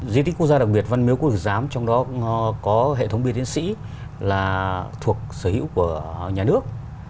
di tích quốc gia đặc biệt văn miếu quốc tử giám trong đó có hệ thống bia tiến sĩ là thuộc sở hữu của nhà nước